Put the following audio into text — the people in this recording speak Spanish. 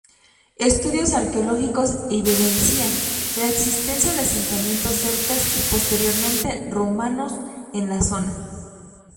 Estudios arqueológicos evidencian la existencia de asentamientos celtas y posteriormente romanos en la zona.